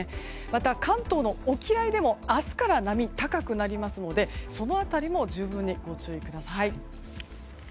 また、関東の沖合でも明日から波が高くなりますのでその辺りも十分にご注意ください。